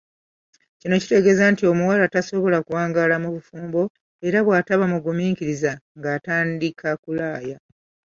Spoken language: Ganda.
Kino kitegeeza nti omuwala tasobola kuwangaala mu bufumbo era bw’ataba mugumiikiriza ng’atandika kulaaya.